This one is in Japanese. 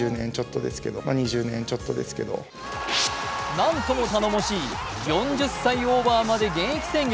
何とも頼もしい、４０歳オーバーまで現役宣言。